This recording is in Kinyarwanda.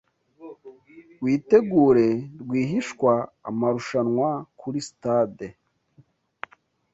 Witegure rwihishwa amarushanwa kuri sitade